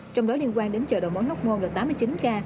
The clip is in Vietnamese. trong đó liên quan đến chợ đồ mối hóc ngôn là tám mươi chín ca